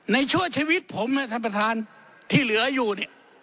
ชั่วชีวิตผมเนี่ยท่านประธานที่เหลืออยู่เนี่ย